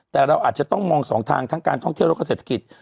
แต่เราอาจจะต้องมองสองทางทั้งการท่องเที่ยวแล้วก็เศรษฐกิจ